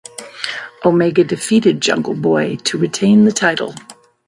Omega defeated Jungle Boy to retain the title.